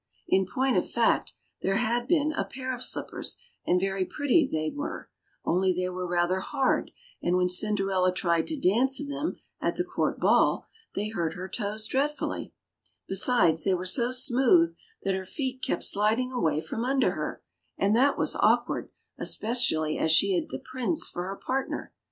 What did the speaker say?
In point of fact, there had been a pair of slippers, and very pretty they were ; only they were rather hard, and when Cinderella tried to dance in them at the court ball, they hurt her toes dreadfully ; besides, they were so smooth that her feet kept sliding away from under her, and that was awkward, especially as she had the Prince for her partner.